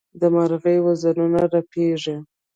د مرغۍ وزرونه رپېږي.